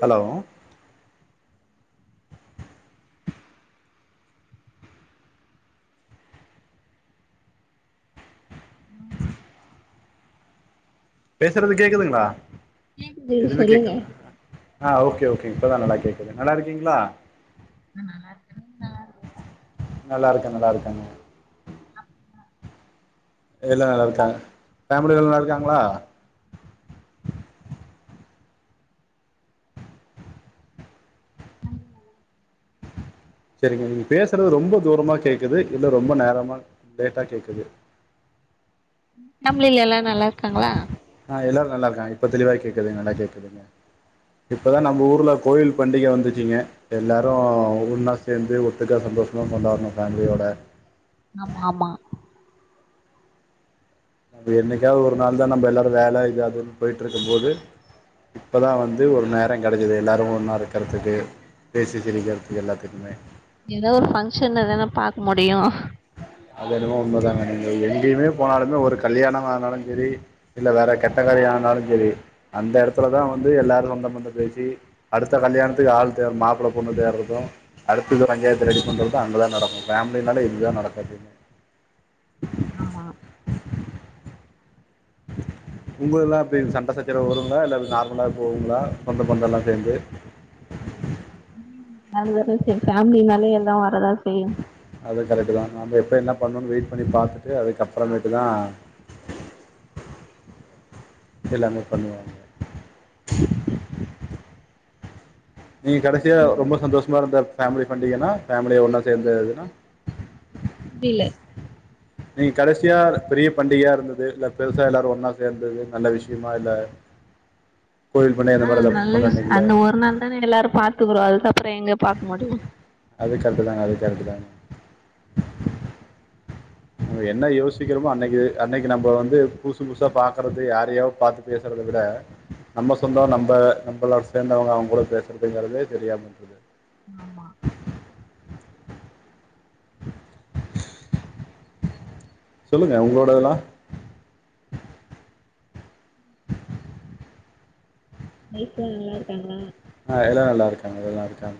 hello பேசுறது கேக்குதுங்ளா கேக்குது எதுவுமு சொல்லுங்க கேக்கல ஆ ஓகே ஓகே இப்பதா நல்லா கேக்குது நல்லா இருக்கீங்ளா நா நல்லாருக்கே நல்லாருக்க நல்லாருக்கேங்க [inaudible] எல்லா நல்லா இருக்காங்க ஃபேமிலி எல்லா நல்லா இருக்காங்ளா [inaudible] செரிங்க நீங்க பேசுறது ரொம்ப தூரமா கேக்குது இல்ல ரொம்ப நேரமா லேட்டா கேக்குது ஃபேம்லில எல்லா நல்லா இருக்காங்களா ஆ எல்லாரு நல்லாருக்காங்க இப்ப தெளிவா கேக்குது நல்லா கேக்குதுங்க இப்பதா நம்ம ஊர்ல கோயில் பண்டிக வந்துச்சுங்க எல்லாரு ஒன்னா சேந்து ஒத்துக்கா சந்தோஷமா கொண்டாடுனோ ஃபேமிலியோட ஆமா ஆமா நம்ப என்னைக்காவ்து ஒரு நாள் தா நம்ப எல்லாரு வேல இது அதுன்னு போயிட்டு இருக்கும் போது இப்பதா வந்து ஒரு நேரோ கெடச்சிது எல்லாரு ஒன்னா இருக்கறதுக்கு பேசி சிரிக்கறதுக் எல்லாத்துக்குமே எதோ ஒரு ஃபங்க்ஷன் எதனா பாக்க முடியு அத என்னமோ உண்மதாங்க நீங்க எங்கயுமே போனாலுமே ஒரு கல்யாணோமானாலு சரி இல்ல வேற கெட்ட காரியோ ஆனாலு சரி அந்த எடத்துலதா வந்து எல்லாரு சொந்த பந்தம் பேசி அடுத்த கல்யாணத்துக்கு ஆள் தே மாப்ள பொண்ணு தேட்றது அடுத்தது பஞ்சாயத்து ரெடி பண்றது அங்கதா நடக்கு ஃபேமிலினால இதுதா நடக்கு அப்டின்னு ஆமா உங்கதுல்லா எப்டி சண்ட சச்சர வருங்களா இல்ல நார்மலா போகுங்களா சொந்த பந்தோல்லா சேர்ந்து அது வர செய்யு ஃபேமிலினாலே எல்லா வரதா செய்யு அது கரெக்ட்தா நாம எப்ப என்ன பண்ணுனு வெயிட் பண்ணி பாத்துட்டு ஆமா அதுக்கப்புறமேட்டுதா எல்லாமே பண்ணுவாங்க நீங்க கடைசியா ரொம்ப சந்தோஷமா இருந்த ஃபேமிலி பண்டீகன்னா ஃபேமிலியா ஒன்னா சேந்து இதுனா டில்ல நீங்க கடைசியா பெரிய பண்டிகையா இருந்தது இல்ல பெருசா எல்லாரு ஒன்னா சேர்ந்தது நல்ல விஷயமா இல்ல ஆ நல்ல விஷயொ கொண்டாடிங்களே அந்த ஒரு நாள் தானே எல்லாரு பாத்துக்குறோ அதுக்கப்றோ எங்க பாக்க முடியு அது கர்ட்டு தாங்க அது கரைட்டு தாங்க நம என்ன யோசிக்கிறோமோ அன்னைக்கு அன்னைக்கு நம்போ வந்து புதுசு புதுசா பாக்கறது யாரையோ பாத்து பேசுறத விட நம்ம சொந்தோ நம்ப நம்பளோ சேர்ந்தவங்க அவங்களோட பேசுறதுங்கறதே தெரியாமக்குது ஆமா சொல்லுங்க உங்களோடதுலா வீட்ல நல்லா இருக்காங்களா ஆ எல்லா நல்லாருக்காங்க நல்லாருக்காங்க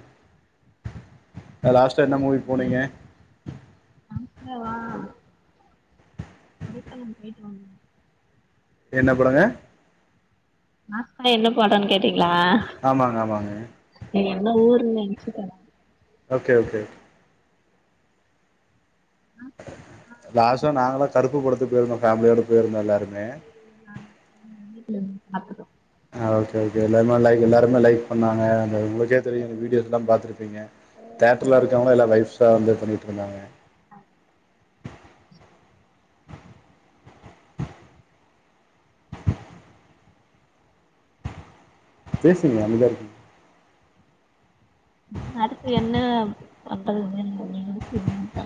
ஆ லாஸ்ட்டா என்ன மூவி போனீங்க லாஸ்ட்டாவா [inaudible] போயிட்டு வந்தோ என்ன படங்க லாஸ்ட்டா என்ன படோன்னு கேட்டீங்களா ஆமாங்க ஆமாங்க நீ என்ன ஊருன்னு நெனச்சிட்ட ஓகே ஓகே லாஸ்டா நாங்களா கருப்பு படத்துக்கு போயிருந்தோ ஃபேமிலியோட போயிருந்தோ எல்லாருமே [inaudible] வீட்ல இருந்து பாத்துட்டோ ஆ ஓகே ஓகே எல்லாருமே லைக் எல்லாருமே லைக் பண்ணாங்க அந்த உங்க ஜே தெரியு அந்த வீடியோஸ் எல்லா பாத்துருப்பீங்க தேட்டர்ல நல்லா இருக்கவங்களா எல்லா லைவ்ஸா வந்து பண்ணிட்டுருந்தாங்க ஆ பேசுங்க அமைதியா இருக்கீங் ம் அடுத்து என்ன அப்பலருந்து எனக்கு ஒன்னே ஒன்னு [inaudible] தா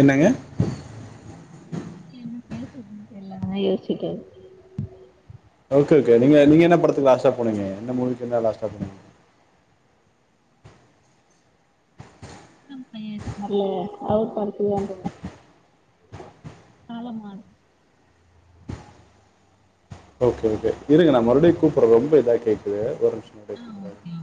என்னங்க இல்ல அடுத்து என்ன பேசுறதுன் தெர்ல அதா யோசிச்சிட்டே இருக்க ஓகே ஓகே நீங்க நீங்க என்ன படத்துக்கு லாஸ்ட்டா போனீங்க என்ன மூவிக்கு என்ன லாஸ்ட்டா போனீங்க [inaudible] ல அவர் படத்துக்கு தா போனோ காலம் மாறு ஓகே ஓகே இருங்க நா மறுபடியு கூப்புற ரொம்ப இதா கேக்குது ஒரு நிமிஷ ஆ கூப்புற ஓகே ஓகே